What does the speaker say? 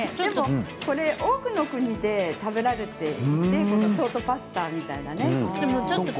多くの国で食べられていてショートパスタはね。